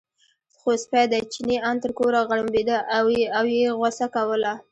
خو سپی دی، چیني ان تر کوره غړمبېده او یې غوسه کوله.